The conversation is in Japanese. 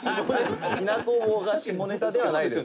「きなこ棒が下ネタではないです」